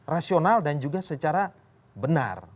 rasional dan juga secara benar